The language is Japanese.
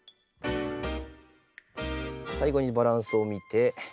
最後にバランスを見て。